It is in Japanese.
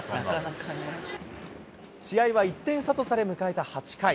試合は１点差とされ、迎えた８回。